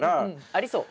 ありそう！